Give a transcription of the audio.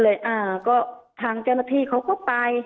ค่ะก็เลยอ่าก็ทางเจ้าหน้าที่เขาก็ไป